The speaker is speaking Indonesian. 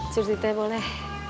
surti teh boleh